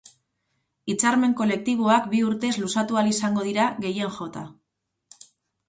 Hitzarmen koletiboak bi urtez luzatu ahal izango dira, gehien jota.